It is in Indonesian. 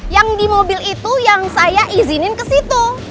yang di mobil itu yang saya izinin ke situ